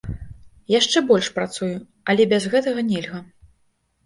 Яшчэ больш працую, але без гэтага нельга.